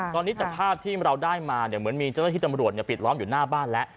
ตอนนี้จากภาพที่เราได้มาเหมือนมีเจ้าหน้าที่ตำรวจปิดล้อมอยู่หน้าบ้านแล้ว